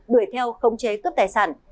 đuổi theo khống chế cướp tài sản